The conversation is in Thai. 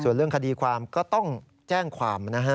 ส่วนเรื่องคดีความก็ต้องแจ้งความนะฮะ